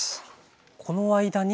この間に。